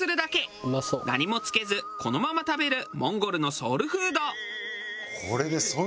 何もつけずこのまま食べるモンゴルのソウルフード。